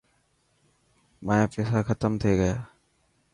مايا پيسا ختم ٿي گيا.